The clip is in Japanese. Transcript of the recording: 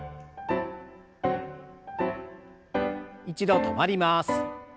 一度止まります。